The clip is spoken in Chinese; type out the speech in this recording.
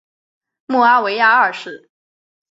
穆阿维亚二世。